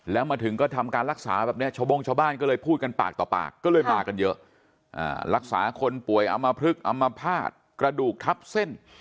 แล้วมาถึงก็ทำการรักษาแบบนี้ชาวบงชาวบ้านก็เลยพูดกันปากต่อปากก็เลยมากันเยอะรักษาคนป่วยอำมพลึกอำมภาษณ์กระดูกทับเส้น